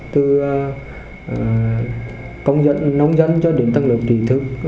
từ công dân nông dân cho đến tầng lớp trí thức